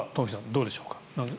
どうでしょうか。